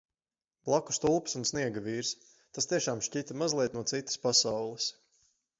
Blakus tulpes un sniegavīrs. Tas tiešām šķita mazliet no citas pasaules.